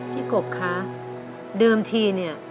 กบคะเดิมทีเนี่ย